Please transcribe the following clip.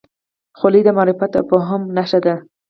خولۍ د معرفت او فهم نښه ده.